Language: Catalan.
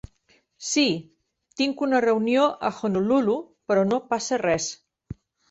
Sí, tinc una reunió a Honolulu, però no passa res.